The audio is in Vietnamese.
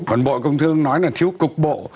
còn bộ công thương nói là thiếu cục bộ